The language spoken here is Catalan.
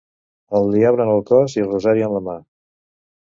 El diable en el cos i el rosari en la mà.